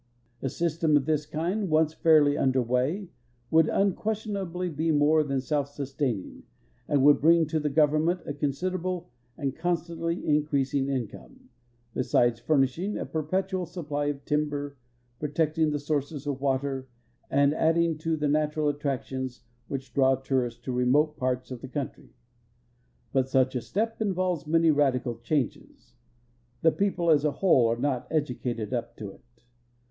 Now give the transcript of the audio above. A system of this kind once fiiirly under way would unquestionably be n)ore than self sustaining and would bring to the government a consideraljle and constantly increasing income, besides furnishing a per|)etual supi)ly of timber, protecting the sources of water, and adding U* the natural attractions which draw tourists to remote ])arts of the country. But such a step involves many radical changes. The people as a whole are not educated up to it.